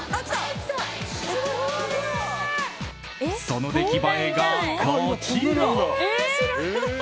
その出来栄えが、こちら。